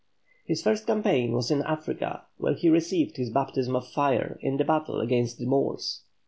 His first campaign was in Africa, where he received his baptism of fire in battle against the Moors.